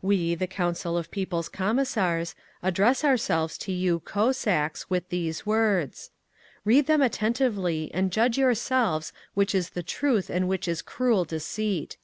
We, the Council of People's Commissars, address ourselves to you, Cossacks, with these words. Read them attentively and judge yourselves which is the truth and which is cruel deceit.